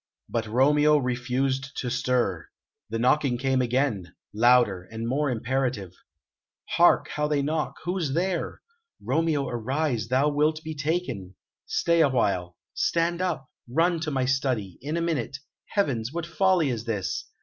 But Romeo refused to stir. The knocking came again, louder and more imperative. "Hark how they knock!... Who's there?... Romeo, arise; thou wilt be taken.... Stay awhile.... Stand up! Run to my study.... In a minute.... Heavens! what folly is this?...